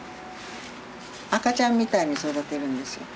赤ちゃんみたいに育てるんですよ。